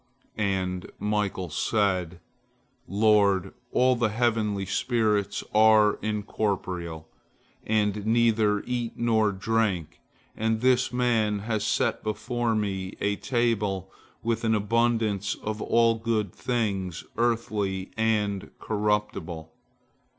And Michael said, "Lord, all the heavenly spirits are incorporeal, and neither eat nor drink, and this man has set before me a table with an abundance of all good things earthly and corruptible.